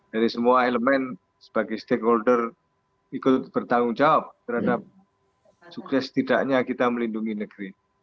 jadi semua elemen sebagai stakeholder ikut bertanggung jawab terhadap sukses tidaknya kita melindungi negeri